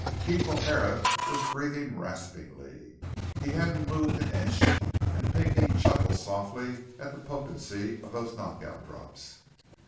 Keef O'Hara was breathing raspingly. He hadn't moved an inch, and Pinky chuckled softly at the potency of those knockout drops.